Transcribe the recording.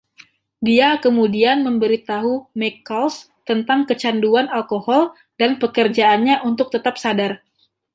Dia kemudian memberi tahu "McCall's" tentang kecanduan alkohol dan pekerjaannya untuk tetap sadar.